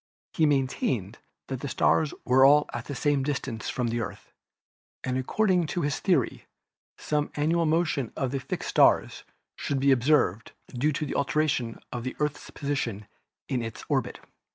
He maintained that the stars were all at the same distance from the 266 ASTRONOMY Earth, and according to his theory some annual motion of the fixed stars should be observed, due to the alteration of the Earth's position in its orbit.